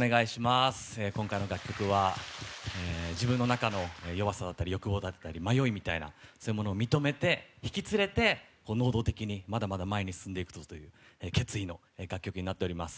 今回の楽曲は自分の中の弱さだったり欲望だったり迷いだったりそういうものを引き連れて、能動的にまだまだ前に進んでいくぞという決意の楽曲になっております。